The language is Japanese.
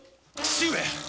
父上！